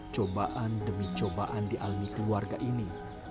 cobaan demi cobaan dialami keluarga ini